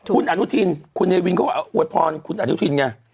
คุณอนุทินคุณเนวินเขาก็อวยพรคุณอนุทินไง